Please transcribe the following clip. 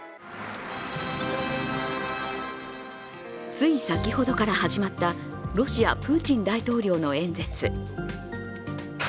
つい先ほどから始まったロシア・プーチン大統領の演説。